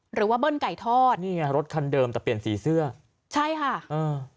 เบิ้ลไก่ทอดนี่ไงรถคันเดิมแต่เปลี่ยนสีเสื้อใช่ค่ะเออ